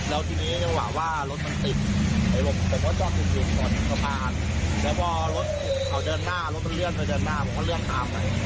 แล้วพอรถเขาเดินหน้ารถมันเลื่อนเขาเดินหน้าผมก็เลื่อนข้ามไป